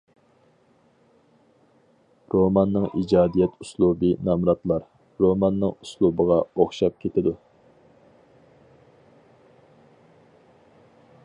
روماننىڭ ئىجادىيەت ئۇسلۇبى «نامراتلار» رومانىنىڭ ئۇسلۇبىغا ئوخشاپ كېتىدۇ.